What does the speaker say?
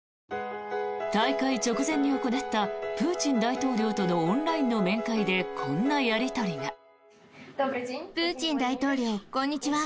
大会直前に行ったプーチン大統領とのオンラインの面会でこんなやり取りが。